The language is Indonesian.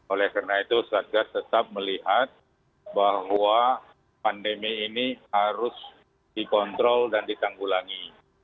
oleh karena itu satgas tetap melihat bahwa pandemi ini harus dikontrol dan ditanggulangi